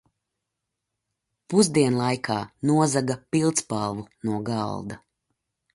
Pusdienlaikā nozaga pildspalvu no galda.